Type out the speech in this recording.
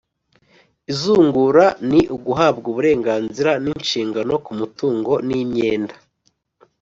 izungura ni uguhabwa uburenganzira n'inshingano ku mutungo n'imyenda